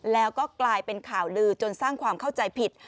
แล้วก็กลายเป็นข่าวลือจนสร้างความเข้าใจผิด